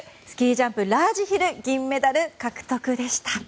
スキージャンプラージヒル銀メダル獲得でした。